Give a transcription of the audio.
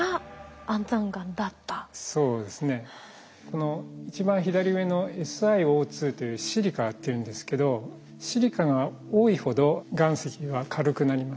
この一番左上の「ＳｉＯ」というシリカっていうんですけどシリカが多いほど岩石は軽くなります。